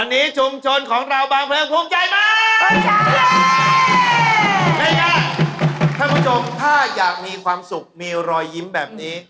นี่พร้อมหลายทีแล้ว